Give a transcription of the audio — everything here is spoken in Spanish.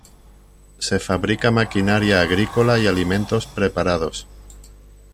Se fabrica maquinaria agrícola y alimentos preparados.